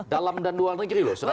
dalam dan luar negeri loh